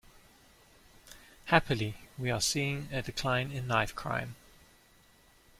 Happily, we are seeing a decline in knife crime.